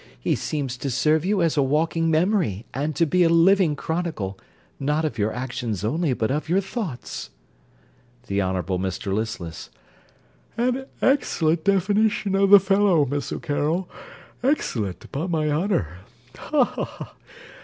He seems to serve you as a walking memory, and to be a living chronicle, not of your actions only, but of your thoughts. THE HONOURABLE MR LISTLESS An excellent definition of the fellow, Miss O'Carroll, excellent, upon my honour. Ha! ha!